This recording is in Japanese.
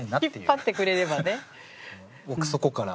引っ張ってくれればね。